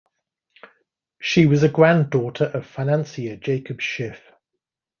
She was a granddaughter of financier Jacob Schiff.